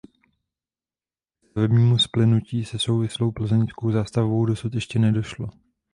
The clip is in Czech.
Ke stavebnímu splynutí se souvislou plzeňskou zástavbou dosud ještě nedošlo.